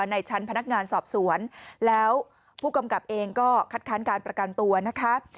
ในชั้นพนักงานสอบสวนแล้วผู้กำกับเองก็คัดค้านการประกันตัวนะคะ